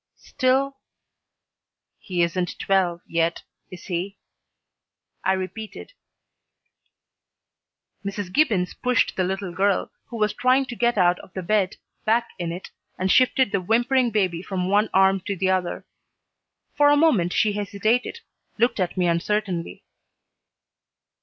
Still "He isn't twelve yet, is he?" I repeated. Mrs. Gibbons pushed the little girl, who was trying to get out of the bed, back in it, and shifted the whimpering baby from one arm to the other. For a moment she hesitated, looked at me uncertainly.